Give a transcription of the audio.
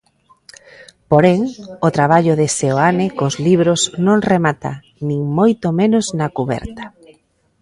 Porén, o traballo de Seoane cos libros non remata, nin moito menos, na cuberta.